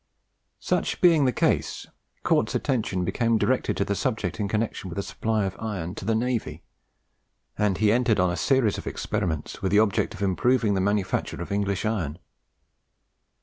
Such being the case, Cort's attention became directed to the subject in connection with the supply of iron to the Navy, and he entered on a series of experiments with the object of improving the manufacture of English iron.